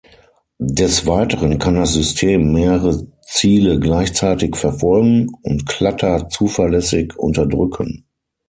Des Weiteren kann das System mehrere Ziele gleichzeitig verfolgen und Clutter zuverlässig unterdrücken.